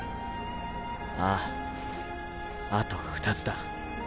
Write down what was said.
あああと２つだ。